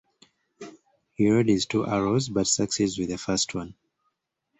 He readies two arrows, but succeeds with the first one.